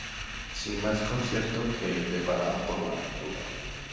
sin más concierto que el deparado por la ventura.